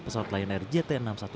pesawat lion air jt enam ratus sepuluh